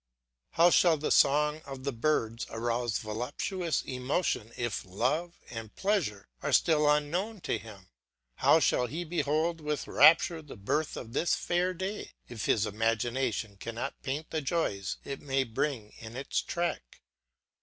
How shall the song of the birds arouse voluptuous emotion if love and pleasure are still unknown to him? How shall he behold with rapture the birth of this fair day, if his imagination cannot paint the joys it may bring in its track?